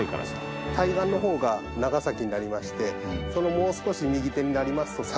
対岸の方が長崎になりましてそのもう少し右手になりますと佐賀県になります。